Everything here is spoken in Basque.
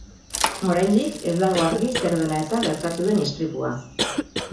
Oraindik ez dago argi zer dela eta gertatu den istripua.